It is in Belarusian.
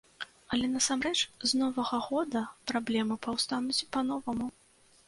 Але насамрэч з новага года праблемы паўстануць па-новаму.